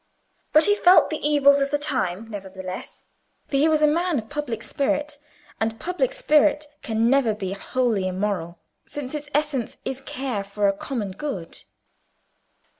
But he felt the evils of the time, nevertheless; for he was a man of public spirit, and public spirit can never be wholly immoral, since its essence is care for a common good.